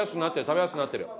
食べやすくなってるよ。